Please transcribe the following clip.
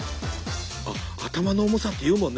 頭の重さっていうもんね。